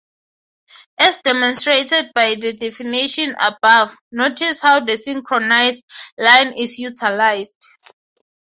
As demonstrated by the definition above, notice how the "synchronized" line is utilized.